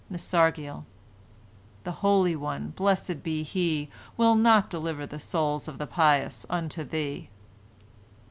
"—Nasargiel: "The Holy One, blessed be He, will not deliver the souls of the pious unto thee."